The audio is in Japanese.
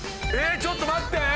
ちょっと待って！